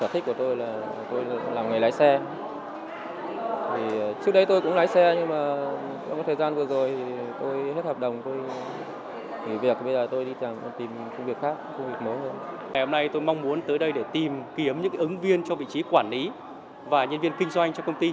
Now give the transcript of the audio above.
ngày hôm nay tôi mong muốn tới đây để tìm kiếm những ứng viên cho vị trí quản lý và nhân viên kinh doanh cho công ty